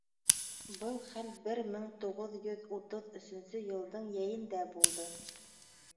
Был хәл бер мең туғыҙ йөҙ утыҙ өсөнсө йылдың йәйендә булды.